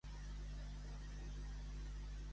Quin text ha publicat VilaWeb?